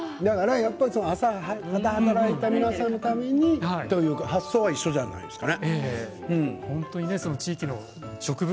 朝働いた皆さんのためにという発想は一緒じゃないですか。